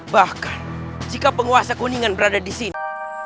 bahkan jika penguasa kuningan berada disini